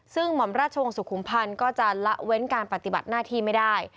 ซึ่งหม่อมราชวงศุมพันธ์ก็จะละเว้นการปฏิบัติหน้าที่ไม่ได้